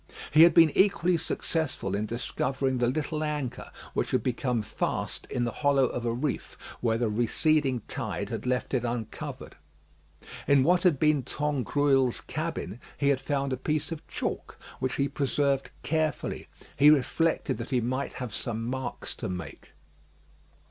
He had been equally successful in discovering the little anchor which had become fast in the hollow of a reef, where the receding tide had left it uncovered. In what had been Tangrouille's cabin he had found a piece of chalk, which he preserved carefully. He reflected that he might have some marks to make.